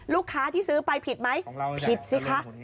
ลูกค้าที่ซื้อไปผิดไหมผิดสิคะ